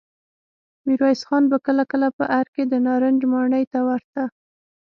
ميرويس خان به کله کله په ارګ کې د نارنج ماڼۍ ته ورته.